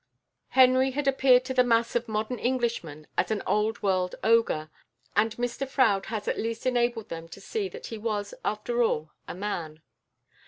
Henry had appeared to the mass of modern Englishmen as an old world ogre, and Mr Froude has at least enabled them to see that he was after all a man.